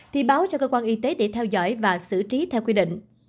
thì báo cho cơ quan y tế để theo dõi và xử trí theo quy định